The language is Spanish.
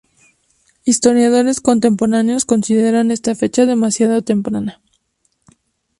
Historiadores contemporáneos consideran esta fecha demasiado temprana.